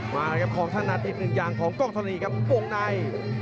มาแล้วกับของท่านนาธิบหนึ่งอย่างของกรรมทรณีครับปวงใน